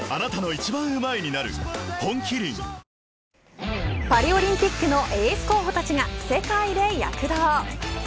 本麒麟パリオリンピックのエース候補たちが世界で躍動。